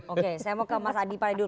oke saya mau ke mas adi paredul